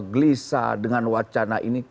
gelisah dengan wacana ini